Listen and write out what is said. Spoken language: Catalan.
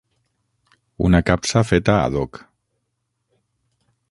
Una capsa feta 'ad hoc'.